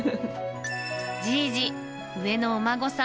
じいじ、上のお孫さん